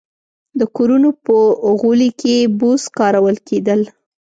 د کورونو په غولي کې بوس کارول کېدل